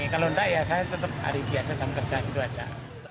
kalau enggak ya saya tetap hari biasa jam kerja gitu aja